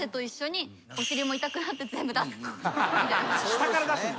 下から出すんだ。